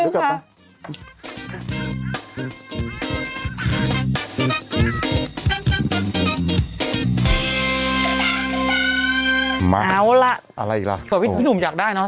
เอาละอะไรอีกโหพี่หนุ่มอยากได้เนอะ